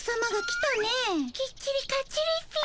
きっちりかっちりっピ。